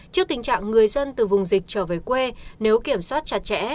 trước tình trạng người dân từ vùng dịch trở về quê nếu kiểm soát chặt chẽ